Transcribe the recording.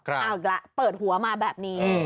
เอาอีกแล้วเปิดหัวมาแบบนี้